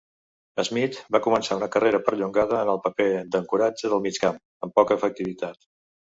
Smith va començar una carrera perllongada en el paper d'"ancoratge" del mig camp, amb poca efectivitat.